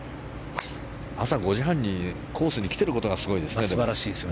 朝５時半にコースに来ていることがすごいですね。